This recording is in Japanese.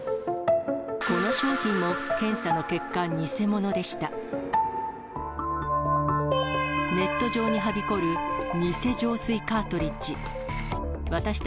この商品も検査の結果、偽物でした。